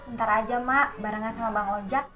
ntar aja mak barengan sama bang ojek